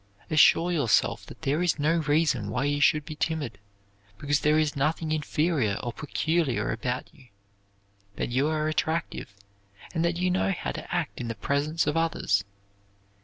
Assure yourself that there is no reason why you should be timid, because there is nothing inferior or peculiar about you; that you are attractive and that you know how to act in the presence of others.